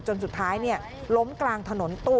สุดท้ายล้มกลางถนน